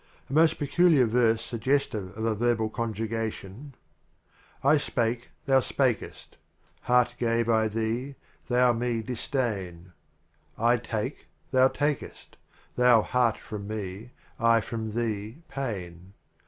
A most peculiar verse sugge stive of a verbal conj ugation : I spake. thou spaltesi; heart pave I thec h thou me dssdain + 1 t^kc, thou lake st — thou heart from me, I from thee pain.